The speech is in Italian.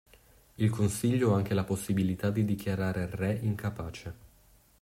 Il Consiglio ha anche la possibilità di dichiarare il re incapace.